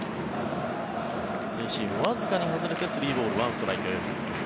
ツーシーム、わずかに外れて３ボール１ストライク。